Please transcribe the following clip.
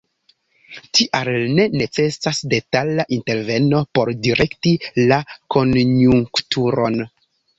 Tial ne necesas detala interveno por direkti la konjunkturon.